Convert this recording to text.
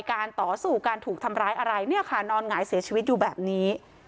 การต่อสู้การถูกทำร้ายอะไรเนี่ยค่ะนอนหงายเสียชีวิตอยู่แบบนี้